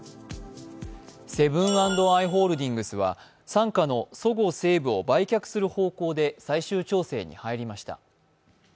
セブン＆アイ・ホールディングスは傘下のそごう・西武を売却する方向で最終調整に入りました。